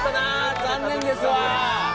残念ですわ。